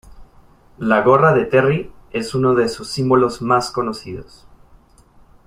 La gorra de Terry es uno de sus símbolos más conocidos.